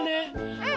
うん！